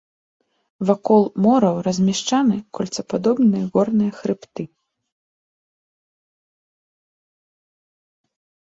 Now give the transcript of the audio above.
Вакол мораў размешчаны кольцападобныя горныя хрыбты.